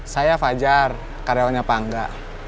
saya fajar karyawannya pangga